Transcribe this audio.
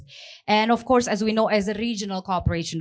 dan tentu saja seperti yang kita tahu sebagai forum kooperasi regional